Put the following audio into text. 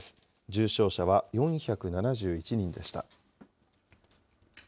重症者は４７１人でした。